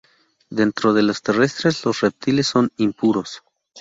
Dentro de los terrestres, los reptiles son todos impuros.